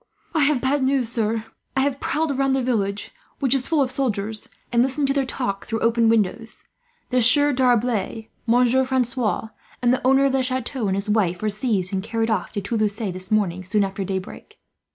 "I have bad news, sir. I have prowled about the village, which is full of soldiers, and listened to their talk through open windows. The Sieur D'Arblay, Monsieur Francois, and the owner of the chateau and his wife were seized, and carried off to Toulouse this morning, soon after daybreak.